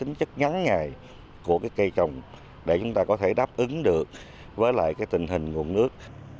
và phù hợp với tính chất nhắn ngài của cây trồng để chúng ta có thể đáp ứng được với tình hình nguồn nước